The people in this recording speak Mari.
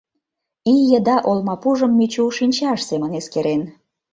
Ий еда олмапужым Мичу шинчаж семын эскерен.